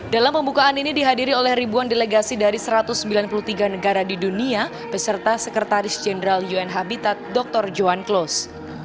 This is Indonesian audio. dalam pembukaan ini dihadiri oleh ribuan delegasi dari satu ratus sembilan puluh tiga negara di dunia beserta sekretaris jenderal un habitat dr johan klos